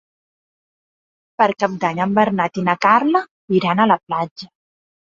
Per Cap d'Any en Bernat i na Carla iran a la platja.